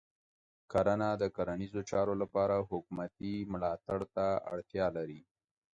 کرنه د کرنیزو چارو لپاره حکومتې ملاتړ ته اړتیا لري.